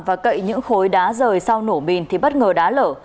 và cậy những khối đá rời sau nổ mìn thì bất ngờ đá lở